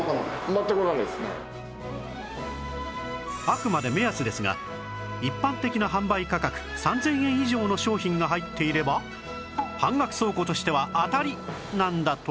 あくまで目安ですが一般的な販売価格３０００円以上の商品が入っていれば半額倉庫としては当たりなんだとか